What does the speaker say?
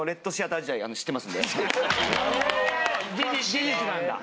事実なんだ。